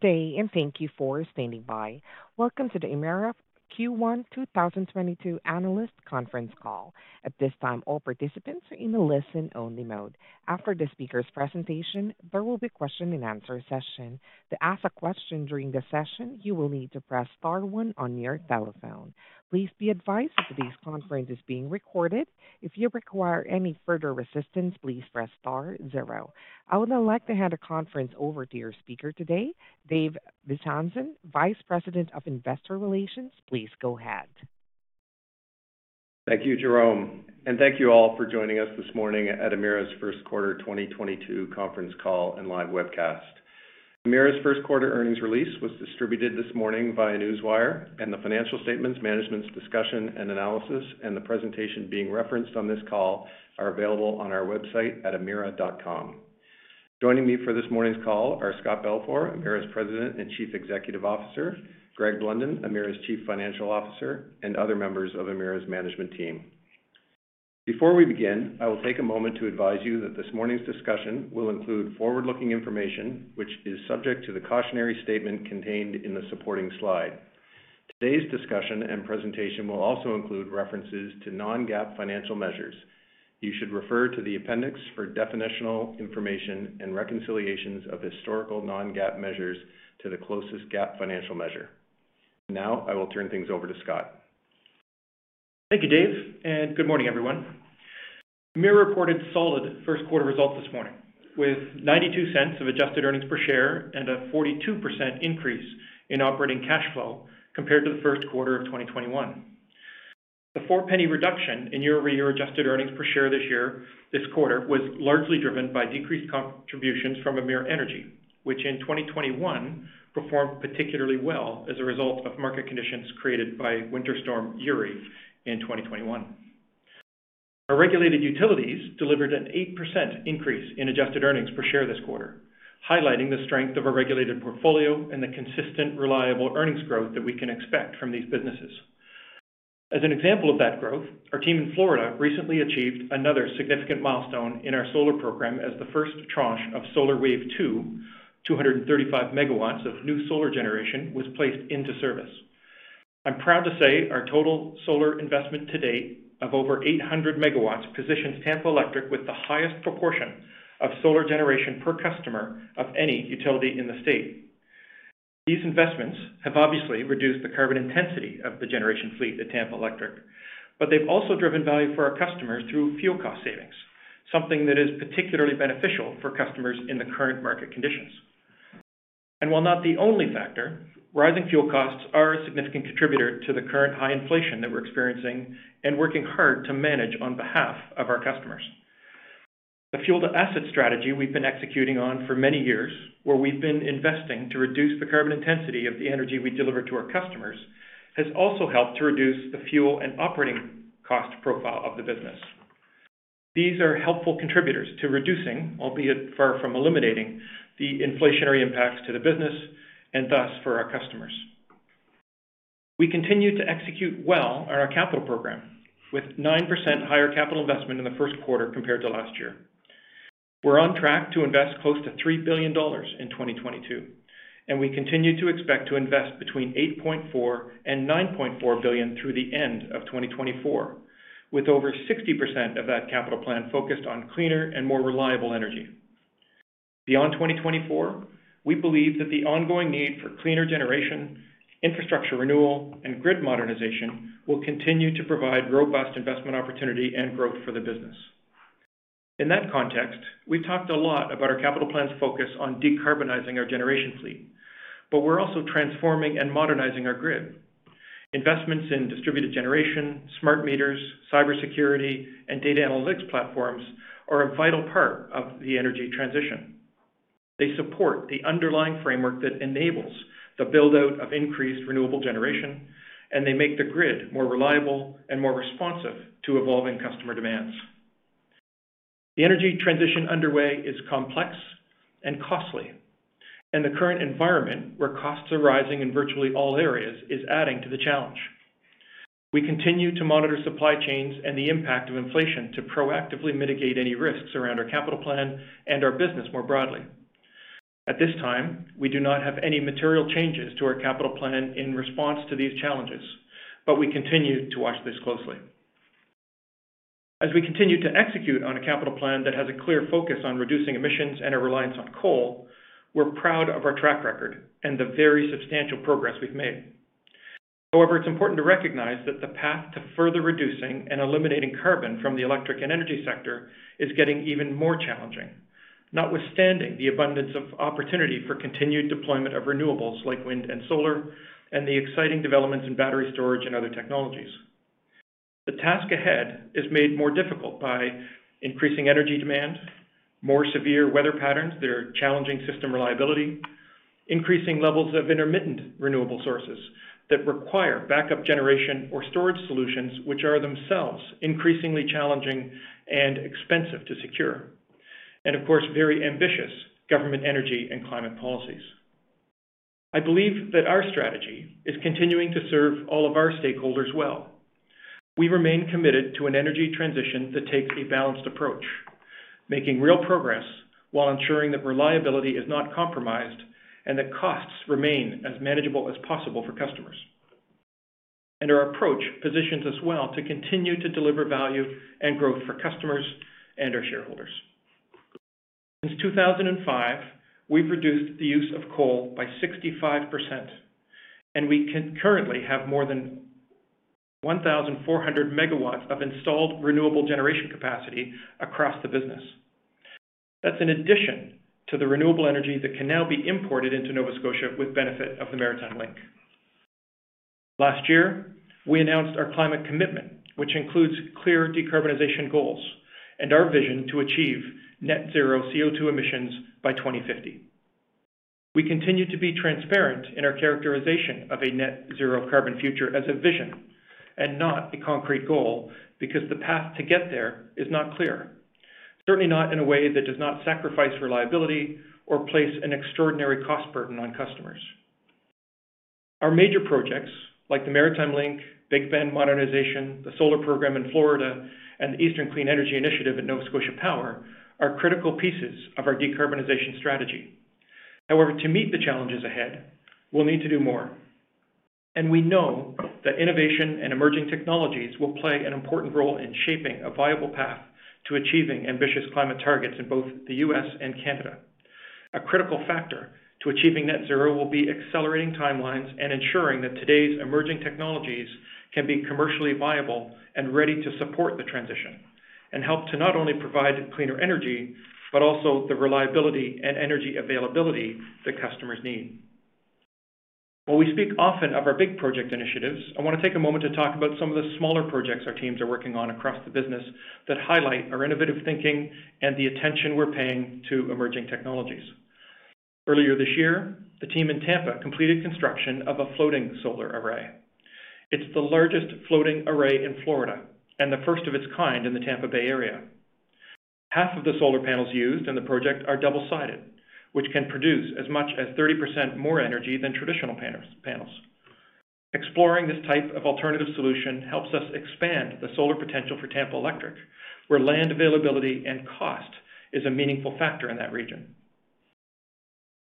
Day and thank you for standing by. Welcome to the Emera Q1 2022 analyst conference call. At this time, all participants are in a listen-only mode. After the speaker's presentation, there will be a question and answer session. To ask a question during the session, you will need to press star one on your telephone. Please be advised that today's conference is being recorded. If you require any further assistance, please press star zero. I would now like to hand the conference over to your speaker today, Dave Bezanson, Vice President of Investor Relations. Please go ahead. Thank you, Jerome, and thank you all for joining us this morning at Emera's first quarter 2022 conference call and live webcast. Emera's first quarter earnings release was distributed this morning via Newswire and the financial statements, management's discussion and analysis and the presentation being referenced on this call are available on our website at emera.com. Joining me for this morning's call are Scott Balfour, Emera's President and Chief Executive Officer, Greg Blunden, Emera's Chief Financial Officer, and other members of Emera's management team. Before we begin, I will take a moment to advise you that this morning's discussion will include forward-looking information which is subject to the cautionary statement contained in the supporting slide. Today's discussion and presentation will also include references to non-GAAP financial measures. You should refer to the appendix for definitional information and reconciliations of historical non-GAAP measures to the closest GAAP financial measure. Now I will turn things over to Scott. Thank you, Dave, and good morning, everyone. Emera reported solid first quarter results this morning with 0.92 of adjusted earnings per share and a 42% increase in operating cash flow compared to the first quarter of 2021. The 0.04 reduction in year-over-year adjusted earnings per share this year, this quarter was largely driven by decreased contributions from Emera Energy, which in 2021 performed particularly well as a result of market conditions created by Winter Storm Uri in 2021. Our regulated utilities delivered an 8% increase in adjusted earnings per share this quarter, highlighting the strength of our regulated portfolio and the consistent, reliable earnings growth that we can expect from these businesses. As an example of that growth, our team in Florida recently achieved another significant milestone in our solar program as the first tranche of Solar Wave 2, 235 MW of new solar generation, was placed into service. I'm proud to say our total solar investment to date of over 800 MW positions Tampa Electric with the highest proportion of solar generation per customer of any utility in the state. These investments have obviously reduced the carbon intensity of the generation fleet at Tampa Electric, but they've also driven value for our customers through fuel cost savings, something that is particularly beneficial for customers in the current market conditions. While not the only factor, rising fuel costs are a significant contributor to the current high inflation that we're experiencing and working hard to manage on behalf of our customers. The fuel to asset strategy we've been executing on for many years, where we've been investing to reduce the carbon intensity of the energy we deliver to our customers, has also helped to reduce the fuel and operating cost profile of the business. These are helpful contributors to reducing, albeit far from eliminating, the inflationary impacts to the business and thus for our customers. We continue to execute well on our capital program with 9% higher capital investment in the first quarter compared to last year. We're on track to invest close to 3 billion dollars in 2022, and we continue to expect to invest between 8.4 billion and 9.4 billion through the end of 2024, with over 60% of that capital plan focused on cleaner and more reliable energy. Beyond 2024, we believe that the ongoing need for cleaner generation, infrastructure renewal, and grid modernization will continue to provide robust investment opportunity and growth for the business. In that context, we've talked a lot about our capital plan's focus on decarbonizing our generation fleet, but we're also transforming and modernizing our grid. Investments in distributed generation, smart meters, cybersecurity, and data analytics platforms are a vital part of the energy transition. They support the underlying framework that enables the build-out of increased renewable generation, and they make the grid more reliable and more responsive to evolving customer demands. The energy transition underway is complex and costly, and the current environment where costs are rising in virtually all areas is adding to the challenge. We continue to monitor supply chains and the impact of inflation to proactively mitigate any risks around our capital plan and our business more broadly. At this time, we do not have any material changes to our capital plan in response to these challenges, but we continue to watch this closely. As we continue to execute on a capital plan that has a clear focus on reducing emissions and a reliance on coal, we're proud of our track record and the very substantial progress we've made. However, it's important to recognize that the path to further reducing and eliminating carbon from the electric and energy sector is getting even more challenging. Notwithstanding the abundance of opportunity for continued deployment of renewables like wind and solar and the exciting developments in battery storage and other technologies. The task ahead is made more difficult by increasing energy demand, more severe weather patterns that are challenging system reliability, increasing levels of intermittent renewable sources that require backup generation or storage solutions which are themselves increasingly challenging and expensive to secure. Of course, very ambitious government energy and climate policies. I believe that our strategy is continuing to serve all of our stakeholders well. We remain committed to an energy transition that takes a balanced approach, making real progress while ensuring that reliability is not compromised and that costs remain as manageable as possible for customers. Our approach positions us well to continue to deliver value and growth for customers and our shareholders. Since 2005, we've reduced the use of coal by 65%, and we currently have more than 1,400 MW of installed renewable generation capacity across the business. That's in addition to the renewable energy that can now be imported into Nova Scotia with benefit of the Maritime Link. Last year, we announced our climate commitment, which includes clear decarbonization goals and our vision to achieve net zero CO₂ emissions by 2050. We continue to be transparent in our characterization of a net zero carbon future as a vision and not a concrete goal because the path to get there is not clear. Certainly not in a way that does not sacrifice reliability or place an extraordinary cost burden on customers. Our major projects like the Maritime Link, Big Bend Modernization, the solar program in Florida, and the Eastern Clean Energy Initiative at Nova Scotia Power are critical pieces of our decarbonization strategy. However, to meet the challenges ahead, we'll need to do more. We know that innovation and emerging technologies will play an important role in shaping a viable path to achieving ambitious climate targets in both the U.S. and Canada. A critical factor to achieving net zero will be accelerating timelines and ensuring that today's emerging technologies can be commercially viable and ready to support the transition and help to not only provide cleaner energy, but also the reliability and energy availability that customers need. While we speak often of our big project initiatives, I want to take a moment to talk about some of the smaller projects our teams are working on across the business that highlight our innovative thinking and the attention we're paying to emerging technologies. Earlier this year, the team in Tampa completed construction of a floating solar array. It's the largest floating array in Florida and the first of its kind in the Tampa Bay area. Half of the solar panels used in the project are double-sided, which can produce as much as 30% more energy than traditional panels. Exploring this type of alternative solution helps us expand the solar potential for Tampa Electric, where land availability and cost is a meaningful factor in that region.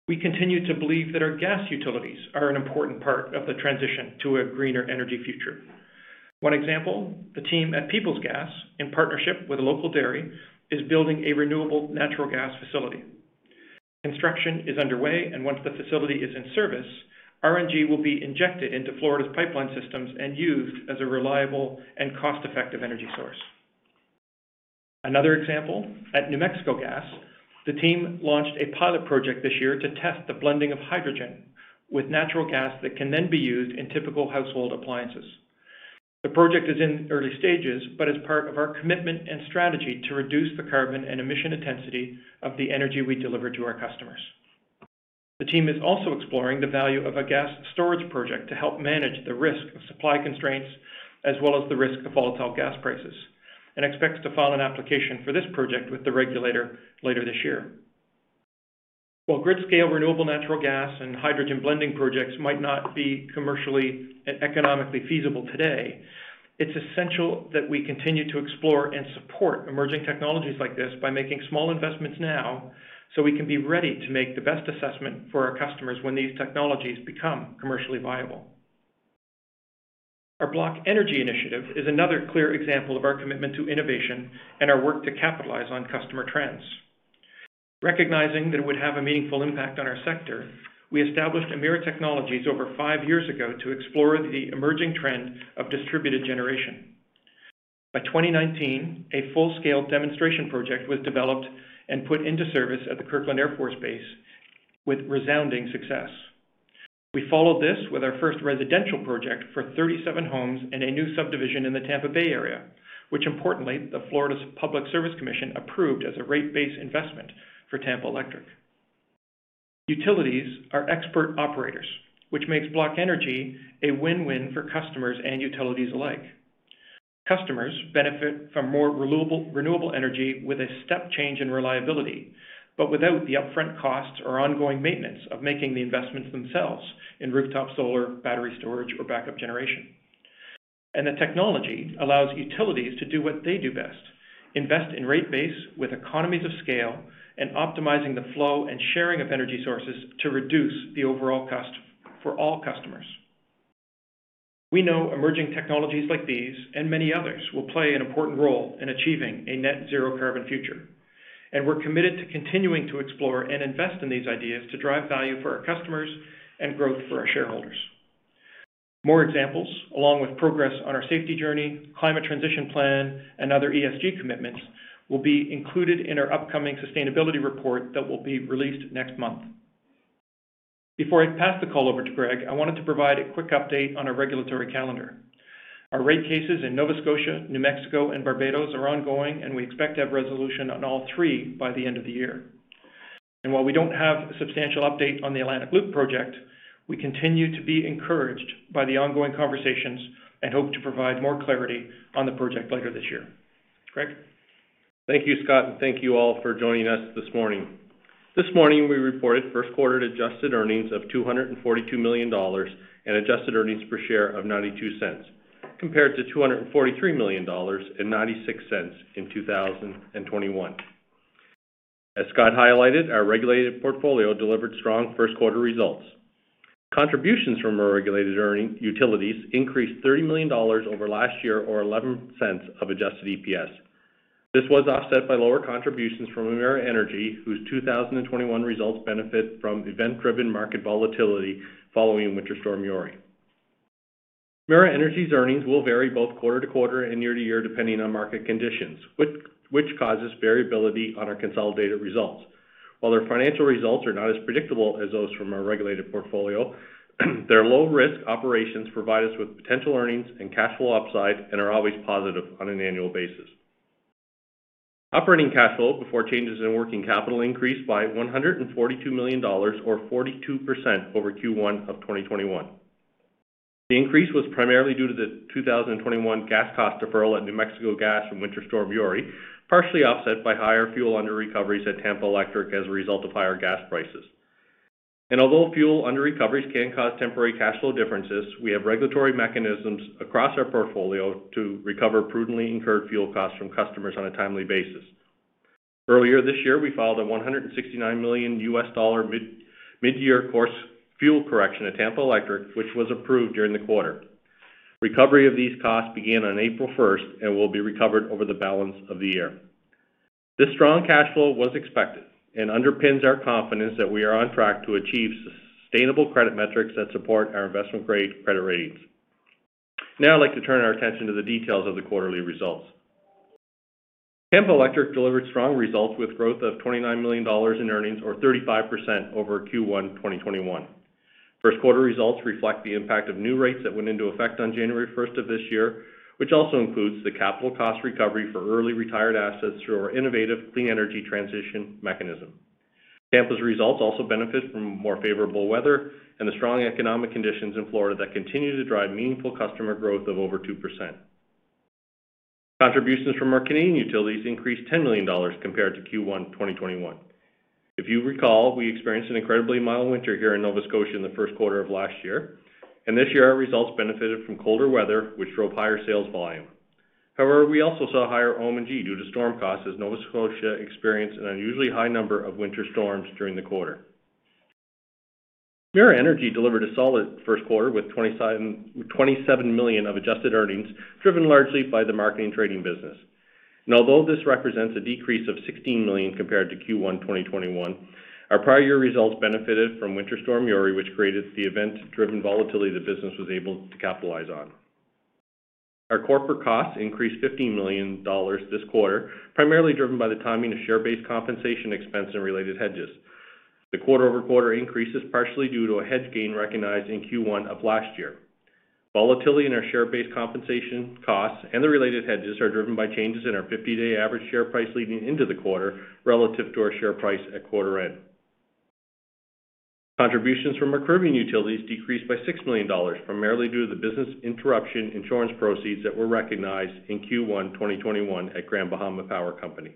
We continue to believe that our gas utilities are an important part of the transition to a greener energy future. One example, the team at Peoples Gas, in partnership with a local dairy, is building a renewable natural gas facility. Construction is underway and once the facility is in service, RNG will be injected into Florida's pipeline systems and used as a reliable and cost-effective energy source. Another example, at New Mexico Gas, the team launched a pilot project this year to test the blending of hydrogen with natural gas that can then be used in typical household appliances. The project is in early stages, but as part of our commitment and strategy to reduce the carbon and emission intensity of the energy we deliver to our customers. The team is also exploring the value of a gas storage project to help manage the risk of supply constraints as well as the risk of volatile gas prices and expects to file an application for this project with the regulator later this year. While grid-scale renewable natural gas and hydrogen blending projects might not be commercially and economically feasible today, it's essential that we continue to explore and support emerging technologies like this by making small investments now so we can be ready to make the best assessment for our customers when these technologies become commercially viable. Our BlockEnergy initiative is another clear example of our commitment to innovation and our work to capitalize on customer trends. Recognizing that it would have a meaningful impact on our sector, we established Emera Technologies over five years ago to explore the emerging trend of distributed generation. By 2019, a full-scale demonstration project was developed and put into service at the Kirtland Air Force Base with resounding success. We followed this with our first residential project for 37 homes in a new subdivision in the Tampa Bay area, which, importantly, the Florida Public Service Commission approved as a rate-based investment for Tampa Electric. Utilities are expert operators, which makes BlockEnergy a win-win for customers and utilities alike. Customers benefit from more renewable energy with a step change in reliability, but without the upfront costs or ongoing maintenance of making the investments themselves in rooftop solar, battery storage, or backup generation. The technology allows utilities to do what they do best, invest in rate base with economies of scale and optimizing the flow and sharing of energy sources to reduce the overall cost for all customers. We know emerging technologies like these and many others will play an important role in achieving a net zero carbon future. We're committed to continuing to explore and invest in these ideas to drive value for our customers and growth for our shareholders. More examples, along with progress on our safety journey, climate transition plan, and other ESG commitments, will be included in our upcoming sustainability report that will be released next month. Before I pass the call over to Greg, I wanted to provide a quick update on our regulatory calendar. Our rate cases in Nova Scotia, New Mexico, and Barbados are ongoing, and we expect to have resolution on all three by the end of the year. While we don't have a substantial update on the Atlantic Loop project, we continue to be encouraged by the ongoing conversations and hope to provide more clarity on the project later this year. Greg? Thank you, Scott, and thank you all for joining us this morning. This morning, we reported first quarter adjusted earnings of 242 million dollars and adjusted earnings per share of 0.92 compared to 243 million dollars and 0.96 in 2021. As Scott highlighted, our regulated portfolio delivered strong first quarter results. Contributions from our regulated earning utilities increased 30 million dollars over last year or 0.11 of adjusted EPS. This was offset by lower contributions from Emera Energy, whose 2021 results benefit from event-driven market volatility following Winter Storm Uri. Emera Energy's earnings will vary both quarter-to-quarter and year-to-year depending on market conditions, which causes variability on our consolidated results. While their financial results are not as predictable as those from our regulated portfolio, they're low-risk operations provide us with potential earnings and cash flow upside and are always positive on an annual basis. Operating cash flow before changes in working capital increased by 142 million dollars or 42% over Q1 of 2021. The increase was primarily due to the 2021 gas cost deferral at New Mexico Gas from Winter Storm Uri, partially offset by higher fuel underrecoveries at Tampa Electric as a result of higher gas prices. Although fuel underrecoveries can cause temporary cash flow differences, we have regulatory mechanisms across our portfolio to recover prudently incurred fuel costs from customers on a timely basis. Earlier this year, we filed a $169 million mid-course correction at Tampa Electric, which was approved during the quarter. Recovery of these costs began on April 1st and will be recovered over the balance of the year. This strong cash flow was expected and underpins our confidence that we are on track to achieve sustainable credit metrics that support our investment-grade credit ratings. Now I'd like to turn our attention to the details of the quarterly results. Tampa Electric delivered strong results with growth of $29 million in earnings or 35% over Q1 2021. First quarter results reflect the impact of new rates that went into effect on January 1st of this year, which also includes the capital cost recovery for early retired assets through our innovative clean energy transition mechanism. Tampa's results also benefit from more favorable weather and the strong economic conditions in Florida that continue to drive meaningful customer growth of over 2%. Contributions from our Canadian utilities increased 10 million dollars compared to Q1 2021. If you recall, we experienced an incredibly mild winter here in Nova Scotia in the first quarter of last year, and this year our results benefited from colder weather, which drove higher sales volume. However, we also saw higher OM&G due to storm costs as Nova Scotia experienced an unusually high number of winter storms during the quarter. Emera Energy delivered a solid first quarter with 27 million of adjusted earnings, driven largely by the marketing trading business. Although this represents a decrease of 16 million compared to Q1 2021, our prior year results benefited from Winter Storm Uri, which created the event-driven volatility the business was able to capitalize on. Our corporate costs increased 15 million dollars this quarter, primarily driven by the timing of share-based compensation expense and related hedges. The quarter-over-quarter increase is partially due to a hedge gain recognized in Q1 of last year. Volatility in our share-based compensation costs and the related hedges are driven by changes in our 50-day average share price leading into the quarter relative to our share price at quarter end. Contributions from our Caribbean utilities decreased by $6 million, primarily due to the business interruption insurance proceeds that were recognized in Q1 2021 at Grand Bahama Power Company.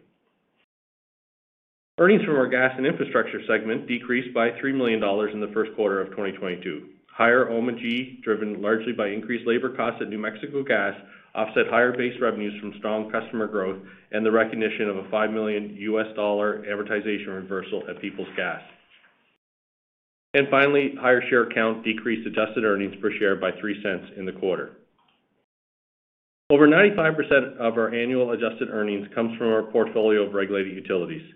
Earnings from our gas and infrastructure segment decreased by 3 million dollars in the first quarter of 2022. Higher OM&G, driven largely by increased labor costs at New Mexico Gas, offset higher base revenues from strong customer growth and the recognition of a 5 million US dollar advertising reversal at Peoples Gas. Finally, higher share count decreased adjusted earnings per share by 0.03 in the quarter. Over 95% of our annual adjusted earnings comes from our portfolio of regulated utilities.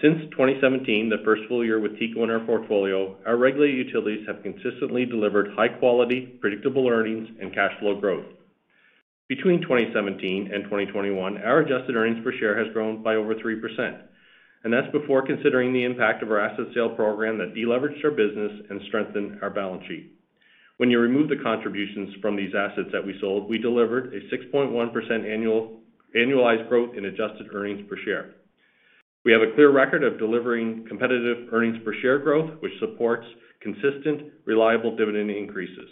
Since 2017, the first full year with TECO in our portfolio, our regulated utilities have consistently delivered high quality, predictable earnings and cash flow growth. Between 2017 and 2021, our adjusted earnings per share has grown by over 3%, and that's before considering the impact of our asset sale program that deleveraged our business and strengthened our balance sheet. When you remove the contributions from these assets that we sold, we delivered a 6.1% annual, annualized growth in adjusted earnings per share. We have a clear record of delivering competitive earnings per share growth, which supports consistent, reliable dividend increases.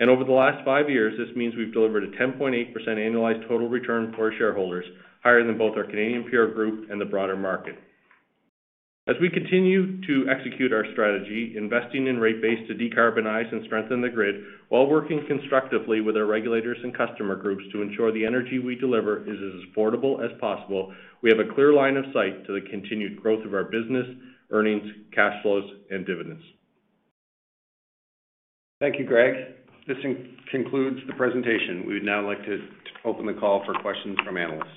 Over the last five years, this means we've delivered a 10.8% annualized total return for our shareholders, higher than both our Canadian peer group and the broader market. As we continue to execute our strategy, investing in rate base to decarbonize and strengthen the grid while working constructively with our regulators and customer groups to ensure the energy we deliver is as affordable as possible, we have a clear line of sight to the continued growth of our business, earnings, cash flows, and dividends. Thank you, Greg. This concludes the presentation. We would now like to open the call for questions from analysts.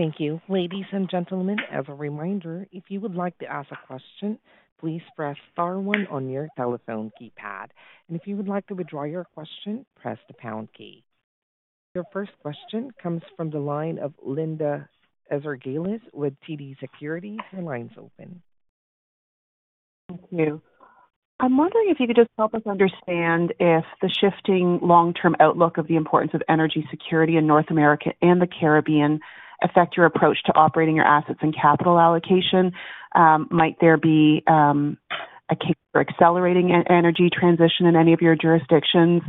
Thank you. Ladies and gentlemen, as a reminder, if you would like to ask a question, please press star one on your telephone keypad. If you would like to withdraw your question, press the pound key. Your first question comes from the line of Linda Ezergailis with TD Securities. Your line's open. Thank you. I'm wondering if you could just help us understand if the shifting long-term outlook of the importance of energy security in North America and the Caribbean affect your approach to operating your assets and capital allocation. Might there be a case for accelerating energy transition in any of your jurisdictions,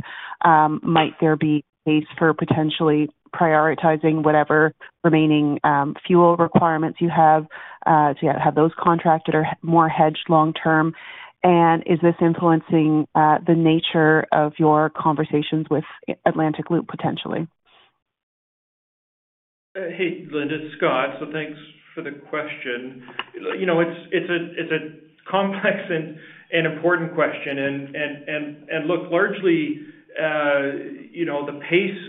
might there be a case for potentially prioritizing whatever remaining fuel requirements you have to have those contracted or more hedged long-term? Is this influencing the nature of your conversations with Atlantic Loop, potentially? Hey, Linda, it's Scott. Thanks for the question. You know, it's a complex and important question. Look, largely, you know, the pace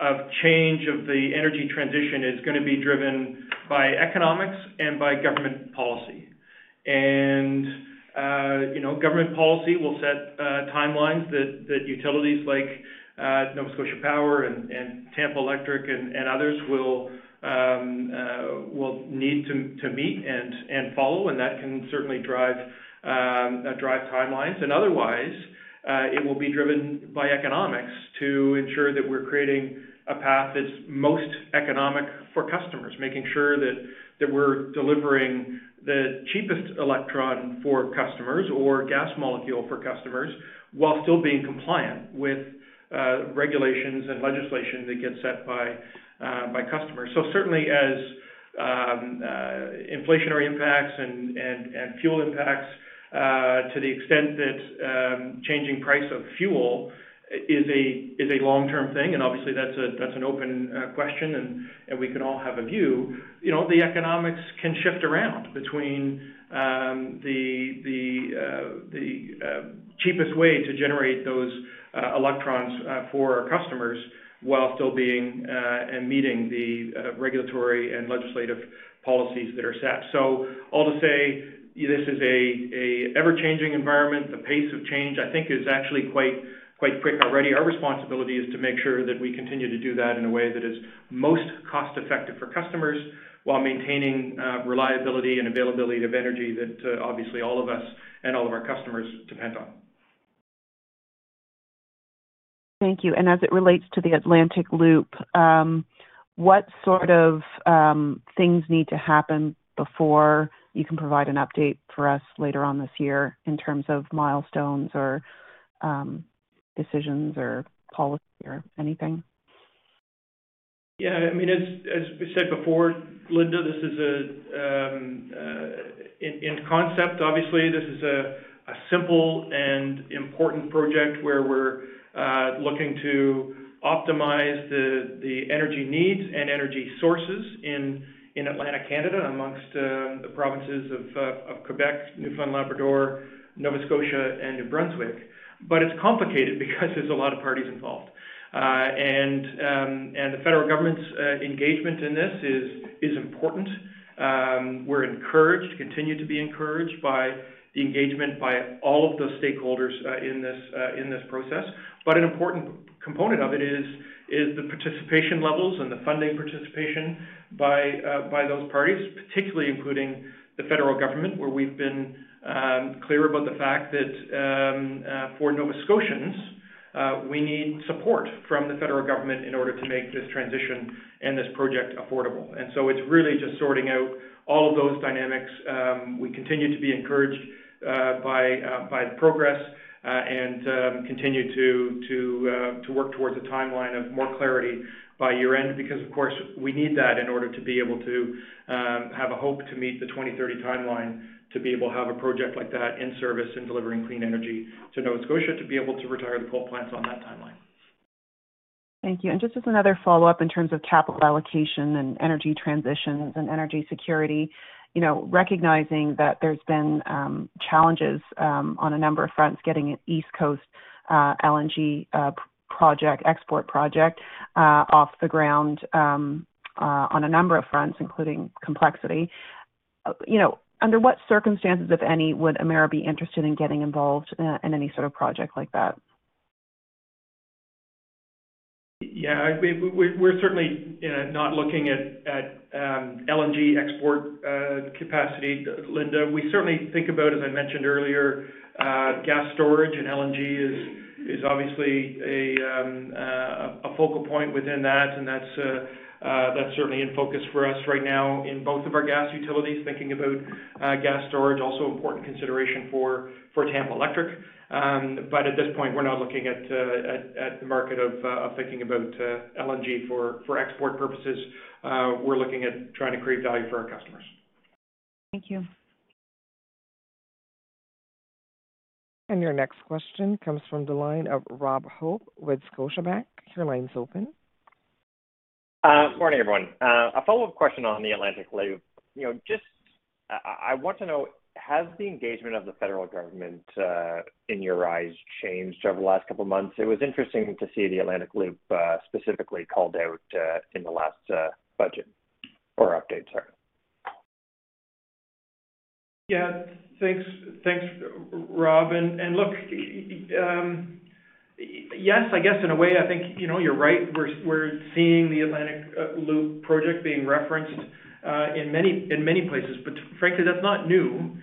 of change of the energy transition is gonna be driven by economics and by government policy. You know, government policy will set timelines that utilities like Nova Scotia Power and Tampa Electric and others will need to meet and follow. That can certainly drive timelines. Otherwise, it will be driven by economics to ensure that we're creating a path that's most economic for customers, making sure that we're delivering the cheapest electron for customers or gas molecule for customers while still being compliant with regulations and legislation that get set by customers. Certainly, as inflationary impacts and fuel impacts, to the extent that changing price of fuel is a long-term thing, and obviously that's an open question, and we can all have a view. You know, the economics can shift around between the cheapest way to generate those electrons for our customers while still being and meeting the regulatory and legislative policies that are set. All to say this is an ever-changing environment. The pace of change, I think, is actually quite quick already. Our responsibility is to make sure that we continue to do that in a way that is most cost-effective for customers while maintaining reliability and availability of energy that obviously all of us and all of our customers depend on. Thank you. As it relates to the Atlantic Loop, what sort of things need to happen before you can provide an update for us later on this year in terms of milestones or decisions or policy or anything? Yeah. I mean, as we said before, Linda, this is, in concept, obviously, a simple and important project where we're looking to optimize the energy needs and energy sources in Atlantic Canada among the provinces of Quebec, Newfoundland and Labrador, Nova Scotia and New Brunswick. It's complicated because there's a lot of parties involved. The federal government's engagement in this is important. We're encouraged, continue to be encouraged by the engagement by all of the stakeholders in this process. An important component of it is the participation levels and the funding participation by those parties, particularly including the federal government, where we've been clear about the fact that for Nova Scotians we need support from the federal government in order to make this transition and this project affordable. It's really just sorting out all of those dynamics. We continue to be encouraged by the progress and continue to work towards a timeline of more clarity by year-end because, of course, we need that in order to be able to have a hope to meet the 2030 timeline, to be able to have a project like that in service and delivering clean energy to Nova Scotia to be able to retire the coal plants on that timeline. Thank you. Just as another follow-up in terms of capital allocation and energy transitions and energy security, you know, recognizing that there's been challenges on a number of fronts getting an East Coast LNG project, export project off the ground on a number of fronts, including complexity. You know, under what circumstances, if any, would Emera be interested in getting involved in any sort of project like that? Yeah. We're certainly, you know, not looking at LNG export capacity, Linda. We certainly think about, as I mentioned earlier, gas storage and LNG is obviously a focal point within that, and that's certainly in focus for us right now in both of our gas utilities, thinking about gas storage, also important consideration for Tampa Electric. But at this point, we're not looking at the market for thinking about LNG for export purposes. We're looking at trying to create value for our customers. Thank you. Your next question comes from the line of Robert Hope with Scotiabank. Your line's open. Morning, everyone. A follow-up question on the Atlantic Loop. You know, just I want to know, has the engagement of the federal government in your eyes changed over the last couple of months? It was interesting to see the Atlantic Loop specifically called out in the last budget or update. Sorry. Yeah. Thanks, Rob. Look, yes, I guess in a way, I think, you know, you're right. We're seeing the Atlantic Loop project being referenced in many places, but frankly, that's not new.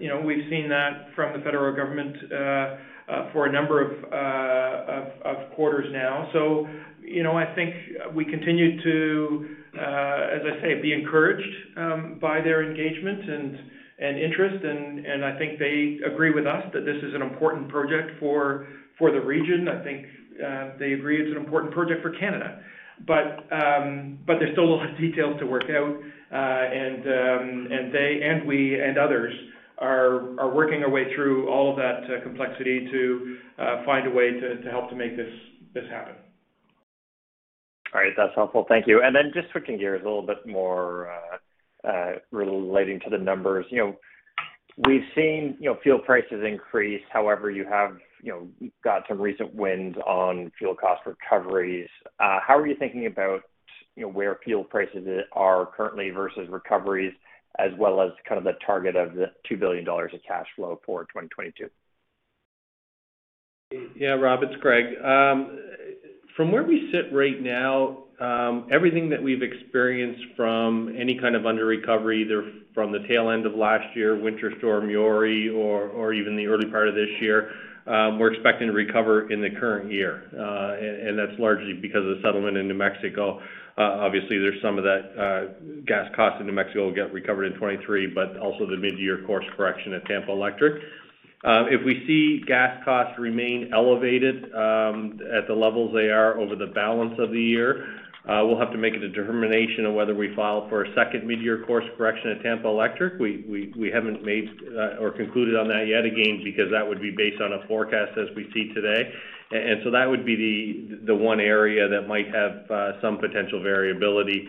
You know, we've seen that from the federal government for a number of quarters now. You know, I think we continue to, as I say, be encouraged by their engagement and interest. I think they agree with us that this is an important project for the region. I think they agree it's an important project for Canada. There's still a lot of details to work out. They and we and others are working our way through all of that complexity to find a way to help to make this happen. All right. That's helpful. Thank you. Just switching gears a little bit more, relating to the numbers. You know, we've seen, you know, fuel prices increase. However, you have, you know, got some recent wins on fuel cost recoveries. How are you thinking about, you know, where fuel prices are currently versus recoveries, as well as kind of the target of 2 billion dollars of cash flow for 2022? Yeah. Rob, it's Greg. From where we sit right now, everything that we've experienced from any kind of under-recovery, either from the tail end of last year, Winter Storm Uri or even the early part of this year, we're expecting to recover in the current year. That's largely because of the settlement in New Mexico. Obviously, there's some of that gas costs in New Mexico will get recovered in 2023, but also the mid-course correction at Tampa Electric. If we see gas costs remain elevated at the levels they are over the balance of the year, we'll have to make a determination of whether we file for a second mid-course correction at Tampa Electric. We haven't made or concluded on that yet, again, because that would be based on a forecast as we see today. That would be the one area that might have some potential variability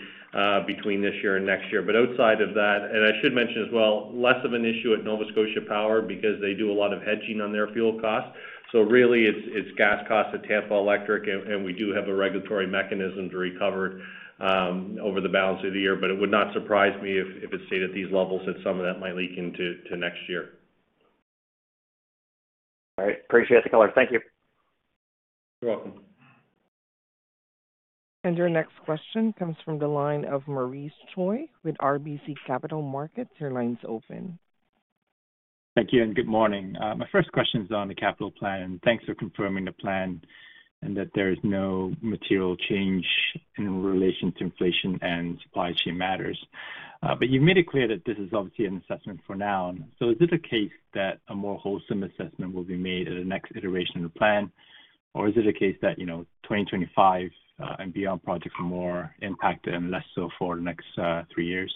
between this year and next year. Outside of that. I should mention as well, less of an issue at Nova Scotia Power because they do a lot of hedging on their fuel costs. Really it's gas costs at Tampa Electric, and we do have a regulatory mechanism to recover over the balance of the year. It would not surprise me if it stayed at these levels that some of that might leak into next year. All right. Appreciate the color. Thank you. You're welcome. Your next question comes from the line of Maurice Choy with RBC Capital Markets. Your line's open. Thank you and good morning. My first question is on the capital plan. Thanks for confirming the plan and that there is no material change in relation to inflation and supply chain matters. You've made it clear that this is obviously an assessment for now. Is it a case that a more wholesome assessment will be made at the next iteration of the plan? Or is it a case that, you know, 2025 and beyond projects are more impacted and less so for the next three years?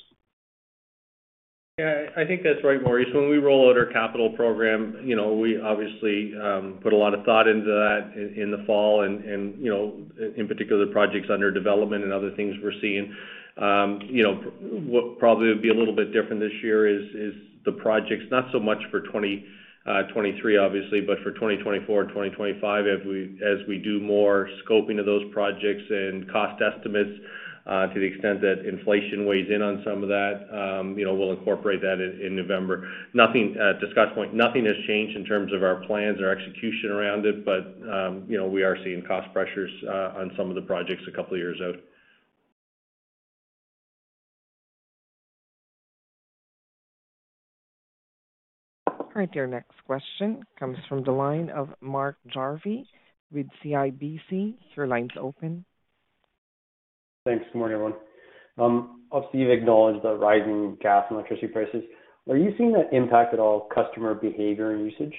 Yeah. I think that's right, Maurice. When we roll out our capital program, you know, we obviously put a lot of thought into that in the fall and, you know, in particular, the projects under development and other things we're seeing. You know, what probably would be a little bit different this year is the projects, not so much for 2023, obviously, but for 2024 and 2025, as we do more scoping of those projects and cost estimates, to the extent that inflation weighs in on some of that, you know, we'll incorporate that in November. Nothing. At this point, nothing has changed in terms of our plans or execution around it, but, you know, we are seeing cost pressures on some of the projects a couple of years out. All right. Your next question comes from the line of Mark Jarvi with CIBC. Your line's open. Thanks. Good morning, everyone. Obviously, you've acknowledged the rising gas and electricity prices. Are you seeing that impact at all customer behavior and usage?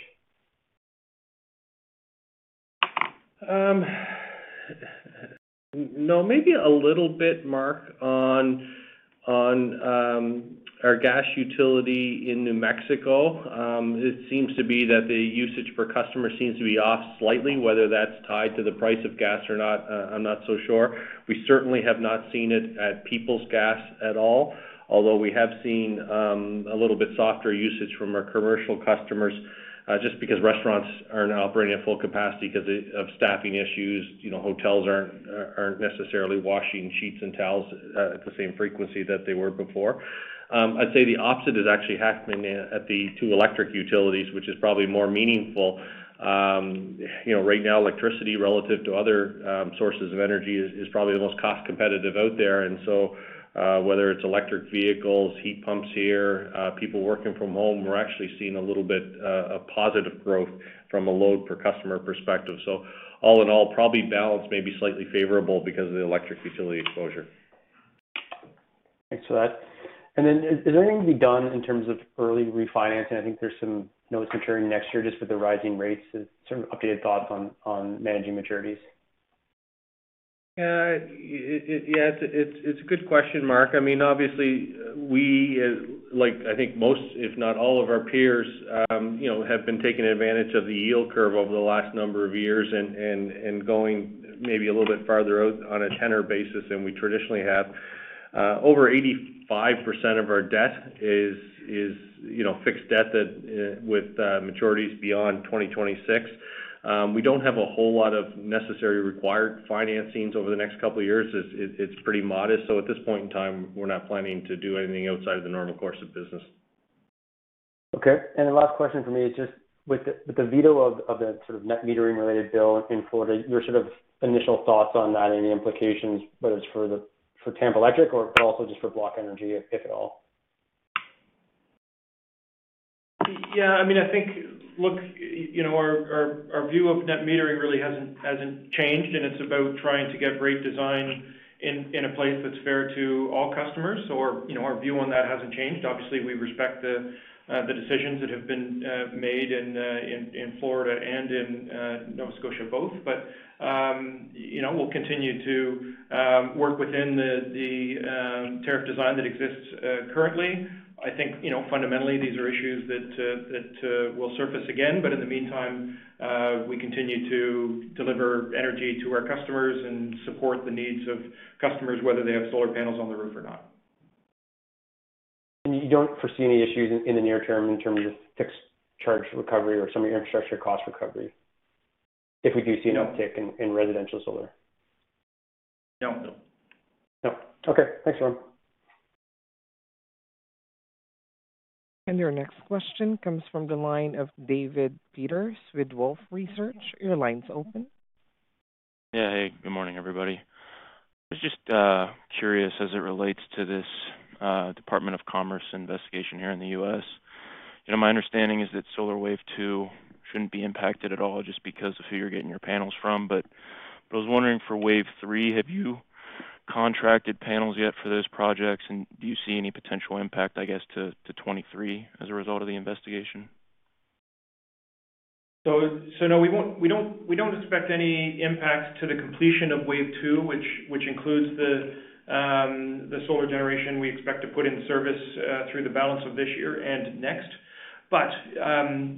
No. Maybe a little bit, Mark, on our gas utility in New Mexico. It seems to be that the usage per customer seems to be off slightly. Whether that's tied to the price of gas or not, I'm not so sure. We certainly have not seen it at Peoples Gas at all, although we have seen a little bit softer usage from our commercial customers, just because restaurants aren't operating at full capacity 'cause of staffing issues. You know, hotels aren't necessarily washing sheets and towels at the same frequency that they were before. I'd say the opposite is actually happening at the two electric utilities, which is probably more meaningful. You know, right now, electricity relative to other sources of energy is probably the most cost-competitive out there. Whether it's electric vehicles, heat pumps here, people working from home, we're actually seeing a little bit of positive growth from a load per customer perspective. All in all, probably balanced, maybe slightly favorable because of the electric utility exposure. Thanks for that. Is there anything to be done in terms of early refinancing? I think there's some notes maturing next year just with the rising rates. Sort of updated thoughts on managing maturities. Yeah. It's a good question, Mark. I mean, obviously we, like I think most, if not all of our peers, have been taking advantage of the yield curve over the last number of years and going maybe a little bit farther out on a tenor basis than we traditionally have. Over 85% of our debt is fixed debt with maturities beyond 2026. We don't have a whole lot of necessary required financings over the next couple of years. It's pretty modest. At this point in time, we're not planning to do anything outside of the normal course of business. Okay. Last question from me is just with the veto of the sort of net metering-related bill in Florida, your sort of initial thoughts on that, any implications, whether it's for Tampa Electric or also just for BlockEnergy, if at all? Yeah, I mean, I think, look, you know, our view of net metering really hasn't changed, and it's about trying to get rate design in a place that's fair to all customers. Our, you know, our view on that hasn't changed. Obviously, we respect the decisions that have been made in Florida and in Nova Scotia both. You know, we'll continue to work within the tariff design that exists currently. I think, you know, fundamentally, these are issues that will surface again. In the meantime, we continue to deliver energy to our customers and support the needs of customers, whether they have solar panels on the roof or not. You don't foresee any issues in the near term in terms of fixed charge recovery or some of your infrastructure cost recovery if we do see an uptick? No. In residential solar? No. No. Okay. Thanks [everyone]. Your next question comes from the line of David Peters with Wolfe Research. Your line's open. Yeah. Hey, good morning, everybody. I was just curious as it relates to this Department of Commerce investigation here in the U.S. You know, my understanding is that Solar Wave 2 shouldn't be impacted at all just because of who you're getting your panels from. I was wondering for Wave 3, have you contracted panels yet for those projects? And do you see any potential impact, I guess, to 2023 as a result of the investigation? No. We don't expect any impact to the completion of Wave Two, which includes the solar generation we expect to put in service through the balance of this year and next.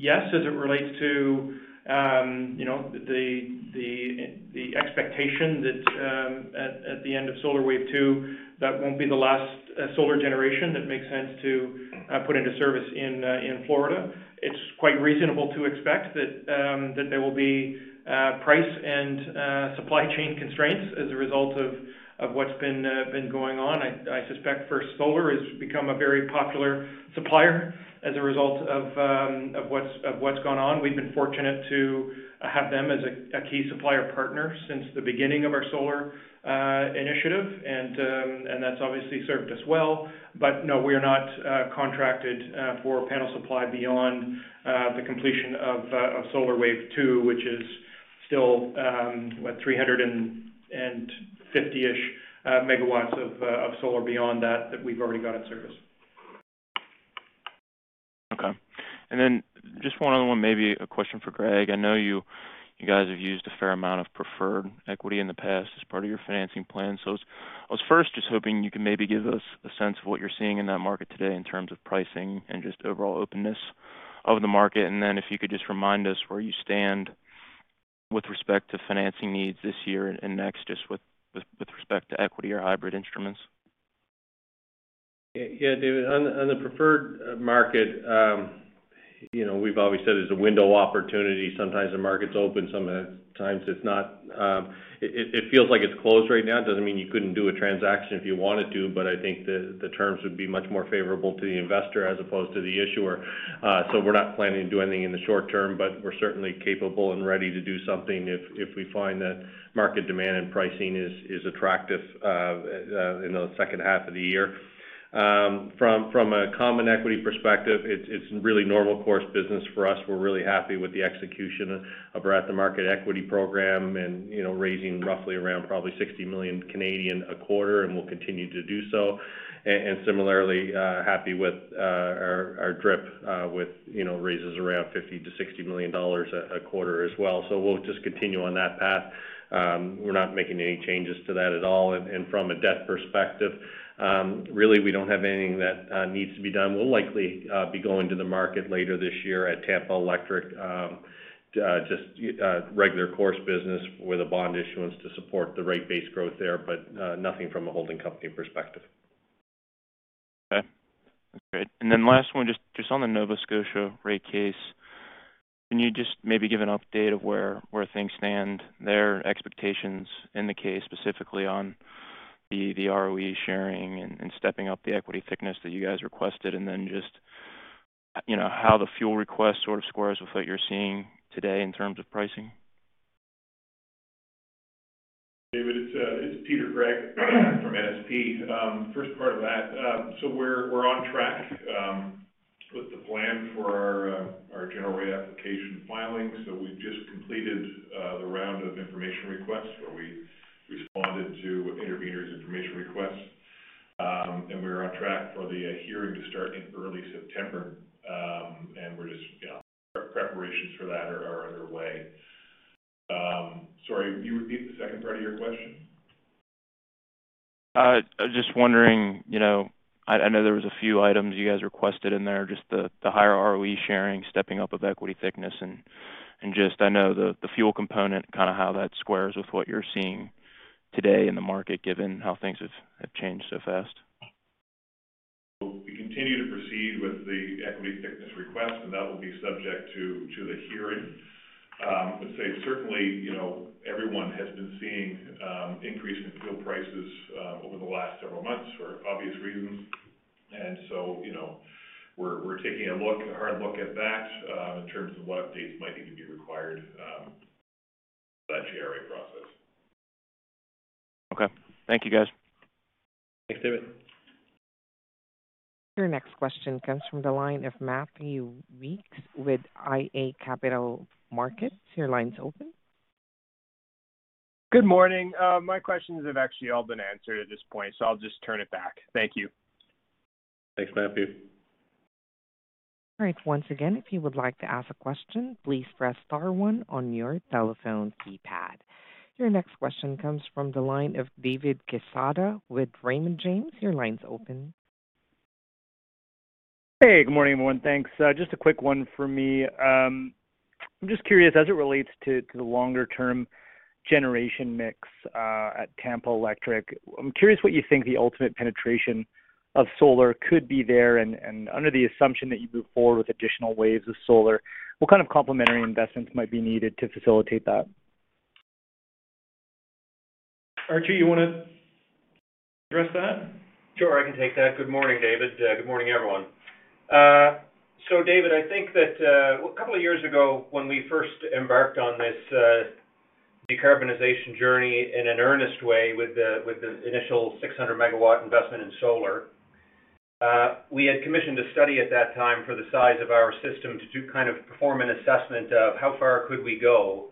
Yes, as it relates to the expectation that at the end of Solar Wave 2, that won't be the last solar generation that makes sense to put into service in Florida. It's quite reasonable to expect that there will be price and supply chain constraints as a result of what's been going on. I suspect First Solar has become a very popular supplier as a result of what's gone on. We've been fortunate to have them as a key supplier partner since the beginning of our solar initiative. That's obviously served us well. No, we are not contracted for panel supply beyond the completion of Solar Wave 2, which is still 350-ish MW of solar beyond that we've already got in service. Okay. Just one other one, maybe a question for Greg. I know you guys have used a fair amount of preferred equity in the past as part of your financing plan. I was first just hoping you can maybe give us a sense of what you're seeing in that market today in terms of pricing and just overall openness of the market. If you could just remind us where you stand with respect to financing needs this year and next, just with respect to equity or hybrid instruments. Yeah, David. On the preferred market, you know, we've always said it's a window of opportunity. Sometimes the market's open, sometimes it's not. It feels like it's closed right now. It doesn't mean you couldn't do a transaction if you wanted to, but I think the terms would be much more favorable to the investor as opposed to the issuer. So we're not planning to do anything in the short term, but we're certainly capable and ready to do something if we find that market demand and pricing is attractive in the second half of the year. From a common equity perspective, it's really normal course of business for us. We're really happy with the execution of our at-the-market equity program and, you know, raising roughly around probably 60 million a quarter, and we'll continue to do so. And similarly, happy with our DRIP, with, you know, raises around 50 million-60 million dollars a quarter as well. We'll just continue on that path. We're not making any changes to that at all. From a debt perspective, really, we don't have anything that needs to be done. We'll likely be going to the market later this year at Tampa Electric, just regular course business with a bond issuance to support the rate base growth there. Nothing from a holding company perspective. Okay. That's great. Then last one, just on the Nova Scotia rate case, can you just maybe give an update of where things stand, their expectations in the case, specifically on the ROE sharing and stepping up the equity thickness that you guys requested? Just, you know, how the fuel request sort of squares with what you're seeing today in terms of pricing? David, it's Peter Gregg from NSP. First part of that, we're on track with the plan for our general rate application filing. We've just completed the round of information requests where we responded to interveners' information requests. We're on track for the hearing to start in early September. We're just, you know, our preparations for that are underway. Sorry, would you repeat the second part of your question? Just wondering, you know, I know there was a few items you guys requested in there, just the higher ROE sharing, stepping up of equity thickness, and just I know the fuel component, kind of how that squares with what you're seeing today in the market, given how things have changed so fast. We continue to proceed with the equity issuance request, and that will be subject to the hearing. I'd say certainly, you know, everyone has been seeing an increase in fuel prices over the last several months for obvious reasons. You know, we're taking a hard look at that in terms of what rates might need to be required for that GRA process. Okay. Thank you, guys. Thanks, David. Your next question comes from the line of Matthew Weekes with iA Capital Markets. Your line's open. Good morning. My questions have actually all been answered at this point, so I'll just turn it back. Thank you. Thanks, Matthew. All right. Once again, if you would like to ask a question, please press star one on your telephone keypad. Your next question comes from the line of David Quezada with Raymond James. Your line's open. Hey, good morning, everyone. Thanks. Just a quick one for me. I'm just curious as it relates to the longer term generation mix at Tampa Electric. I'm curious what you think the ultimate penetration of solar could be there and under the assumption that you move forward with additional waves of solar, what kind of complementary investments might be needed to facilitate that? Archie, you wanna address that? Sure, I can take that. Good morning, David. Good morning, everyone. So David, I think that a couple of years ago when we first embarked on this decarbonization journey in an earnest way with the initial 600 MW investment in solar, we had commissioned a study at that time for the size of our system to kind of perform an assessment of how far could we go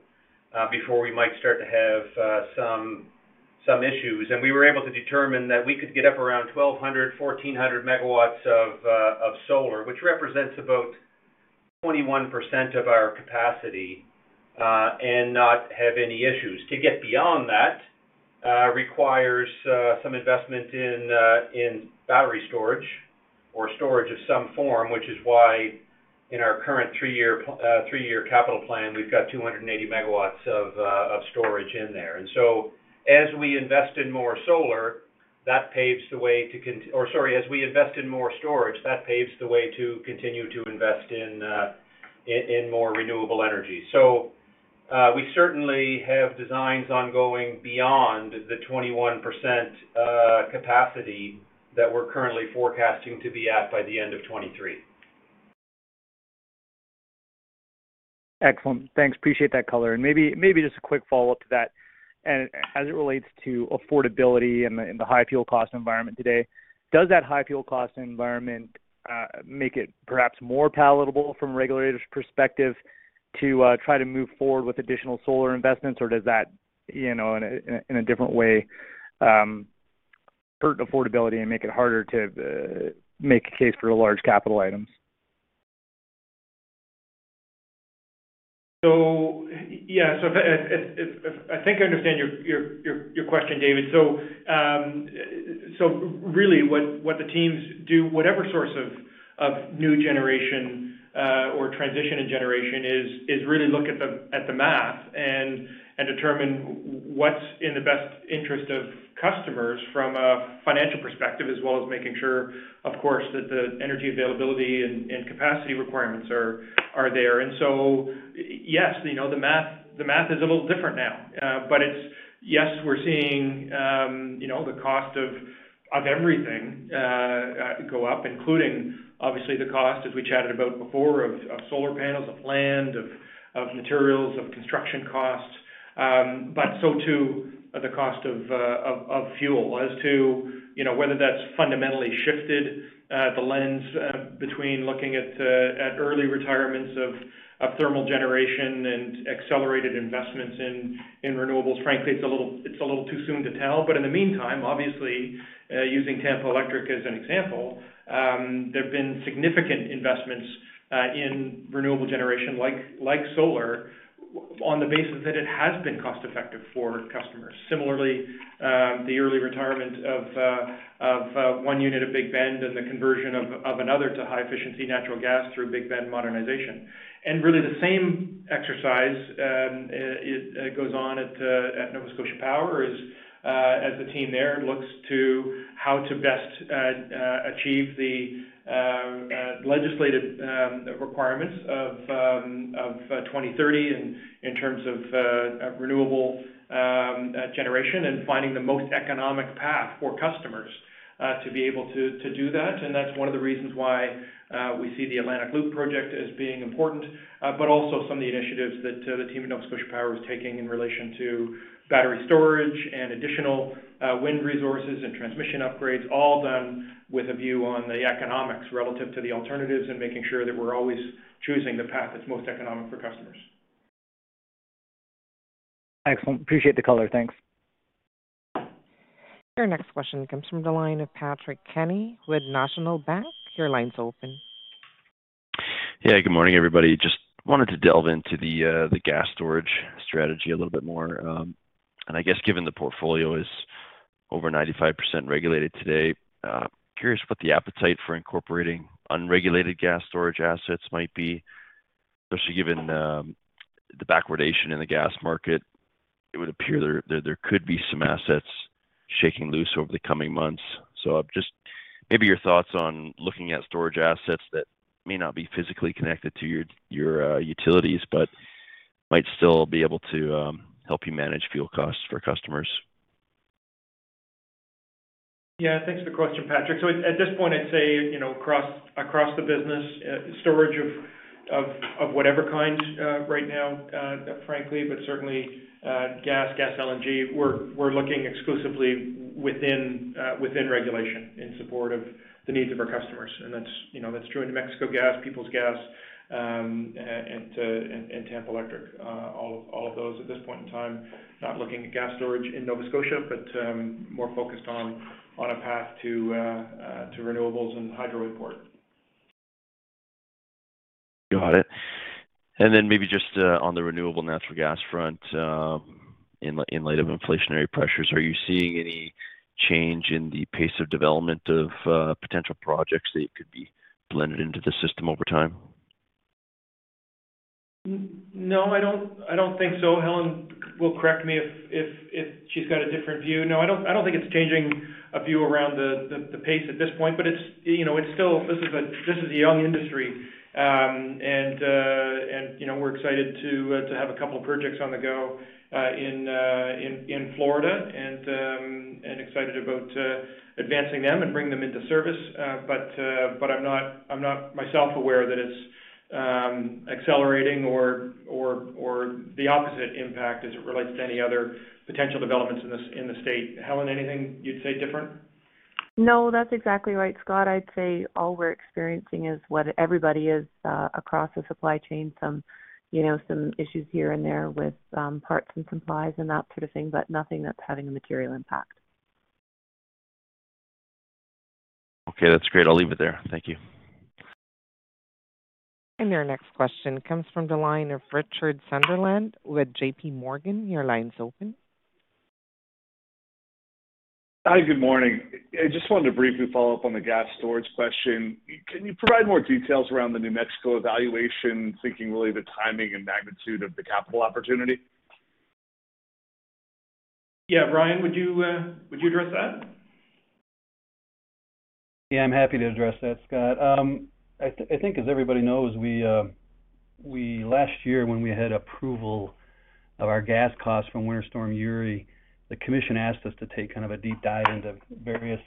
before we might start to have some issues. We were able to determine that we could get up around 1,200 MW-1,400 MW of solar, which represents about 21% of our capacity and not have any issues. To get beyond that, requires some investment in battery storage or storage of some form, which is why in our current three-year capital plan, we've got 280 MW of storage in there. As we invest in more storage, that paves the way to continue to invest in more renewable energy. We certainly have designs ongoing beyond the 21% capacity that we're currently forecasting to be at by the end of 2023. Excellent. Thanks. Appreciate that color. Maybe just a quick follow-up to that. As it relates to affordability and the high fuel cost environment today, does that high fuel cost environment make it perhaps more palatable from a regulator's perspective to try to move forward with additional solar investments? Or does that, you know, in a different way, hurt affordability and make it harder to make a case for the large capital items? I think I understand your question, David. Really what the teams do, whatever source of new generation or transition in generation is really look at the math and determine what's in the best interest of customers from a financial perspective, as well as making sure, of course, that the energy availability and capacity requirements are there. Yes, you know, the math is a little different now. But yes, we're seeing, you know, the cost of everything go up, including obviously the cost, as we chatted about before, of solar panels, of land, of materials, of construction costs, but so too, the cost of fuel. As to, you know, whether that's fundamentally shifted the lens between looking at early retirements of thermal generation and accelerated investments in renewables, frankly, it's a little too soon to tell. In the meantime, obviously, using Tampa Electric as an example, there have been significant investments in renewable generation like solar on the basis that it has been cost-effective for customers. Similarly, the early retirement of one unit of Big Bend and the conversion of another to high-efficiency natural gas through Big Bend Modernization. Really the same exercise, it goes on at Nova Scotia Power as the team there looks to how to best achieve the legislative requirements of 2030 in terms of renewable generation and finding the most economic path for customers to be able to do that. That's one of the reasons why we see the Atlantic Loop project as being important. Also some of the initiatives that the team at Nova Scotia Power is taking in relation to battery storage and additional wind resources and transmission upgrades, all done with a view on the economics relative to the alternatives and making sure that we're always choosing the path that's most economic for customers. Excellent. Appreciate the color. Thanks. Your next question comes from the line of Patrick Kenny with National Bank. Your line's open. Yeah, good morning, everybody. Just wanted to delve into the gas storage strategy a little bit more. I guess given the portfolio is over 95% regulated today, curious what the appetite for incorporating unregulated gas storage assets might be. Especially given the backwardation in the gas market, it would appear there could be some assets shaking loose over the coming months. Just maybe your thoughts on looking at storage assets that may not be physically connected to your utilities, but might still be able to help you manage fuel costs for customers. Yeah, thanks for the question, Patrick. At this point, I'd say, you know, across the business, storage of whatever kind right now frankly but certainly gas LNG we're looking exclusively within regulation in support of the needs of our customers. That's, you know, that's true in New Mexico Gas, Peoples Gas, and Tampa Electric. All of those at this point in time not looking at gas storage in Nova Scotia but more focused on a path to renewables and hydro import. Got it. Then maybe just on the renewable natural gas front, in light of inflationary pressures, are you seeing any change in the pace of development of potential projects that could be blended into the system over time? No, I don't think so. Helen will correct me if she's got a different view. No, I don't think it's changing a view around the pace at this point, but you know, this is a young industry. You know, we're excited to have a couple projects on the go in Florida and excited about advancing them and bring them into service. I'm not myself aware that it's accelerating or the opposite impact as it relates to any other potential developments in the state. Helen, anything you'd say different? No, that's exactly right, Scott. I'd say all we're experiencing is what everybody is across the supply chain. Some, you know, some issues here and there with parts and supplies and that sort of thing, but nothing that's having a material impact. Okay, that's great. I'll leave it there. Thank you. Your next question comes from the line of Richard Sunderland with JPMorgan. Your line's open. Hi. Good morning. I just wanted to briefly follow up on the gas storage question. Can you provide more details around the New Mexico evaluation, thinking really the timing and magnitude of the capital opportunity? Yeah. Ryan, would you address that? Yeah, I'm happy to address that, Scott. I think as everybody knows, we last year when we had approval of our gas costs from Winter Storm Uri, the commission asked us to take kind of a deep dive into various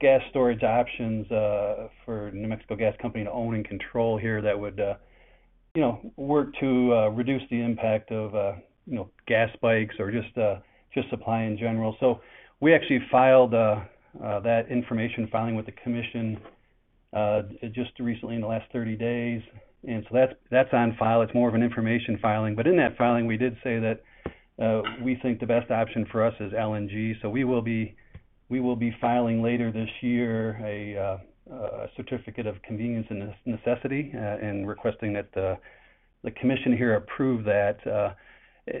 gas storage options for New Mexico Gas Company to own and control here that would you know work to reduce the impact of you know gas spikes or just supply in general. We actually filed that information filing with the commission just recently in the last 30 days. That's on file. It's more of an information filing. In that filing, we did say that we think the best option for us is LNG. We will be filing later this year a certificate of convenience and necessity, and requesting that the commission here approve that.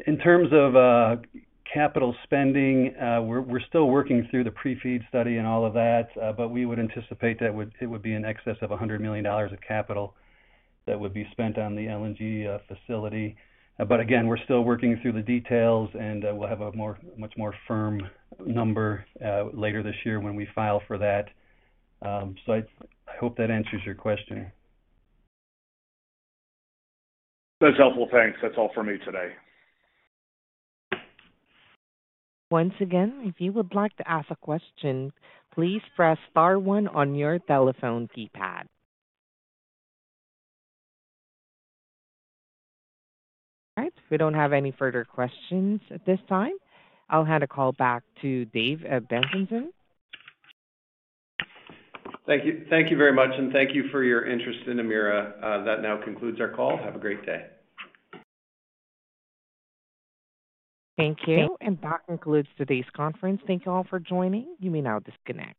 In terms of capital spending, we're still working through the pre-FEED study and all of that, but we would anticipate it would be in excess of $100 million of capital that would be spent on the LNG facility. But again, we're still working through the details, and we'll have a much more firm number later this year when we file for that. I hope that answers your question. That's helpful. Thanks. That's all for me today. Once again, if you would like to ask a question, please press star one on your telephone keypad. All right. We don't have any further questions at this time. I'll hand the call back to Dave Bezanson. Thank you. Thank you very much, and thank you for your interest in Emera. That now concludes our call. Have a great day. Thank you. That concludes today's conference. Thank you all for joining. You may now disconnect.